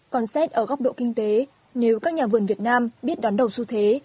còn xét ở góc độ kinh tế nếu các nhà vườn việt nam biết đón đầu xu thế